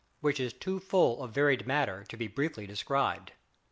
WHICH IS TOO FULL OF VARIED MATTER TO BE BRIEFLY DESCRIBED.